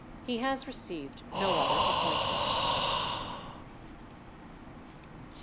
He has re ceived no other appointment.